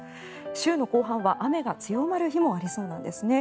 週の後半は雨が強まる日もありそうなんですね。